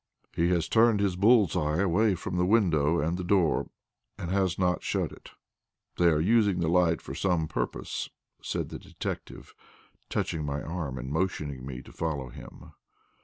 "He has turned his bull's eye away from the window and the door, and has not shut it. They are using the light for some purpose," said the detective, touching my arm and motioning me to follow him.